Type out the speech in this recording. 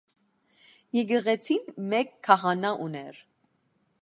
Եկեղեցին մեկ քահանա ուներ։